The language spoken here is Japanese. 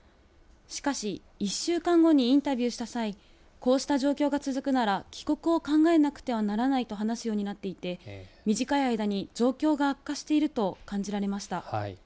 しかし、１週間後にインタビューした際、こうした状況が続くなら、帰国を考えなくてはならないと話すようになっていて、短い間に状況が悪化していると感じました。